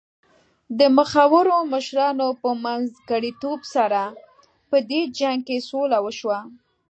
د مخورو مشرانو په منځګړیتوب سره په دې جنګ کې سوله وشوه.